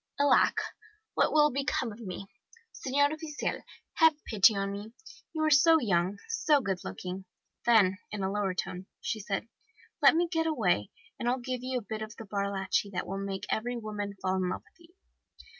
"'Alack! What will become of me! Senor Oficial, have pity on me! You are so young, so good looking.' Then, in a lower tone, she said, 'Let me get away, and I'll give you a bit of the bar lachi, that will make every woman fall in love with you!